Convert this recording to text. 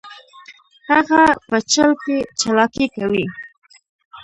هغه په چل کې چلاکي کوي